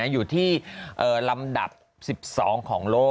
อยู่ที่ลำดับ๑๒ของโลก